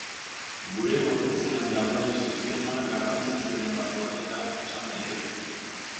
Gure gorputzean dagoen sistema garrantzitsuenetakoa dela esan daiteke.